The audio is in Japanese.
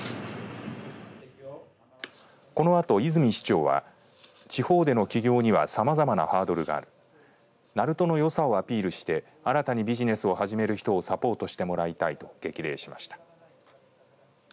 このあと泉市長は地方での企業にはさまざまなハードルがある鳴門のよさをアピールして新たにビジネスを始める人をサポートしてもらいたいと激励しました。